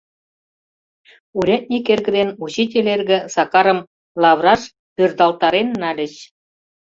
Урядник эрге ден учитель эрге Сакарым лавыраш пӧрдалтарен нальыч.